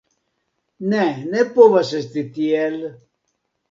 Ne, ne povas esti tiel.